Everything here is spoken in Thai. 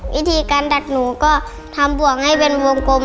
วิธีการดัดหนูก็ทำบวกให้เป็นวงกลม